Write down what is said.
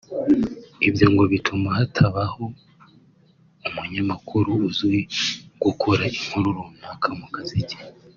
ibyo ngo bituma hatabaho umunyamakuru uzwiho gukora inkuru runaka mu kazi ke